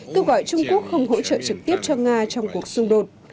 kêu gọi trung quốc không hỗ trợ trực tiếp cho nga trong cuộc xung đột